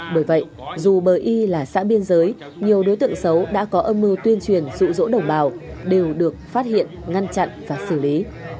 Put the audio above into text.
bởi vậy dù bờ y là xã biên giới nhiều đối tượng xấu đã có âm mưu tuyên truyền dụ dỗ đồng bào đều được phát hiện ngăn chặn và xử lý